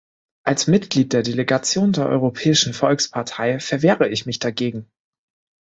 Als Mitglied der Delegation der Europäischen Volkspartei verwehre ich mich dagegen.